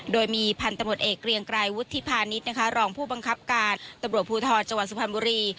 โดยมีพันธุ์ตำรวจเอกเรียงไกรวุฒิพาณิชย์นะคะรองผู้บังคับการตำรวจภูทรจังหวัดสุพรรณบุรี